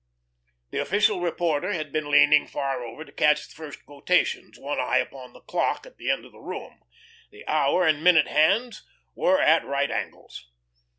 The official reporter had been leaning far over to catch the first quotations, one eye upon the clock at the end of the room. The hour and minute hands were at right angles.